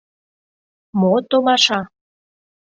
Мо томаша?